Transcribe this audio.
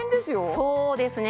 そうですね。